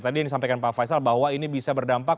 tadi yang disampaikan pak faisal bahwa ini bisa berdampak